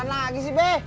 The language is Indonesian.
hei jangan atuh be